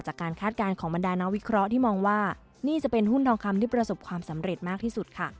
คาดการณ์ของบรรดาน้องวิเคราะห์ที่มองว่านี่จะเป็นหุ้นทองคำที่ประสบความสำเร็จมากที่สุดค่ะ